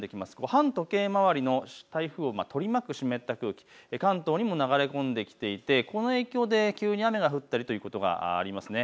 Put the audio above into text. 反時計回りの台風を取り巻く湿った空気、関東にも流れ込んできていてこの影響で急に雨が降ったりということがあります。